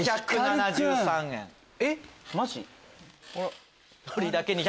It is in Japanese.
えっマジ？